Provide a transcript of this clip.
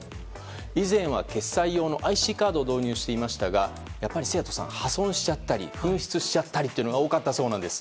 以前は決済用のＩＣカードを導入していましたがやっぱり生徒さん破損しちゃったり紛失しちゃったりというのが多かったそうなんです。